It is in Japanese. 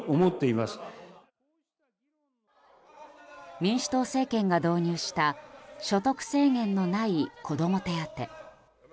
民主党政権が導入した所得制限のない子ども手当。